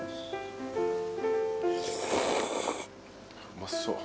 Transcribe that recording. うまそう。